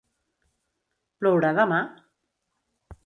Plourà demà?